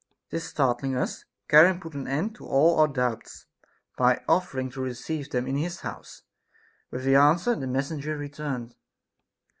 This startling us, Charon put an end to all our doubts by offering to receive them in his house. With this answer the messenger returned.